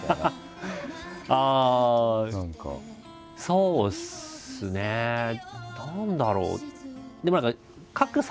そうですね何だろう。